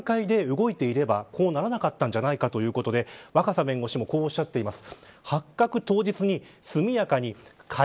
その段階で動いていればこうならなかったんじゃないかということで若狭弁護士もこうおっしゃっています。